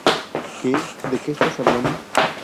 ¿ Qué? ¿ de qué estás hablando?